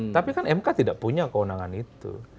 tapi kan mk tidak punya kewenangan itu